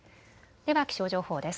では気象情報です。